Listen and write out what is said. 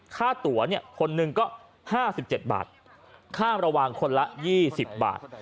ค่าตัวคนหนึ่งก็๕๗บาทค่าระวังคนละ๒๐บาท